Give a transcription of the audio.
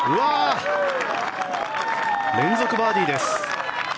連続バーディーです。